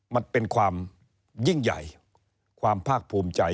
มันเป็นความยิ่งใหญ่ความภาคภูมิใจ